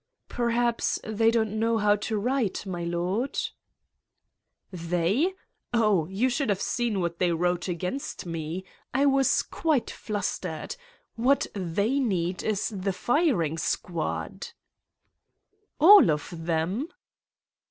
'' "Perhaps they don't know how to write, my lord?" 1 ' They ? Oh ! You should have seen what they wrote against me. I was quite flustered. What they need is the firing squad." "All of them?"